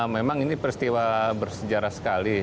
memang ini peristiwa bersejarah sekali